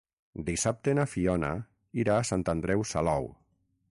Dissabte na Fiona irà a Sant Andreu Salou.